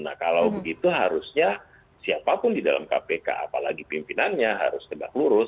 nah kalau begitu harusnya siapapun di dalam kpk apalagi pimpinannya harus tegak lurus